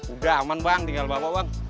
udah aman bang tinggal bawa bang